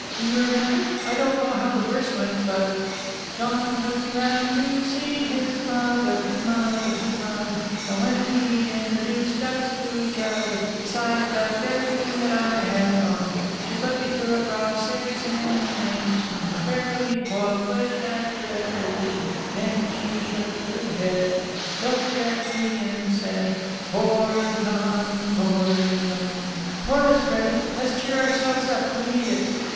"Do you remember? I don't know how the verse went, but ... John took me round to see his mother, his mother, his mother! And when he'd introduced us to each other, She sized up everything that I had on. She put me through a cross examination: I fairly boiled with aggravation: Then she shook her head, Looked at me and said: 'Poor John! Poor John!' Chorus, Freddie! Let's cheer ourselves up! We need it!"